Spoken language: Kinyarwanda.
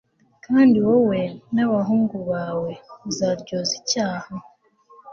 kandi wowe n abahungu bawe muzaryozwa icyaha